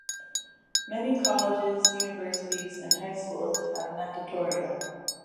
Many colleges, universities and high schools have natatoria.